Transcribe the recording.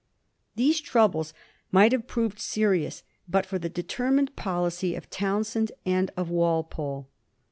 These troubles might have proved serious but for the determined policy of Townshend and of Walpole.